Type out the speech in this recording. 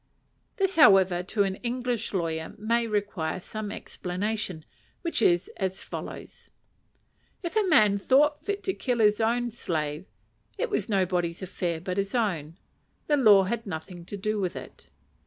This, however, to an English lawyer, may require some explanation, which is as follows: If a man thought fit to kill his own slave, it was nobody's affair but his own; the law had nothing to do with it.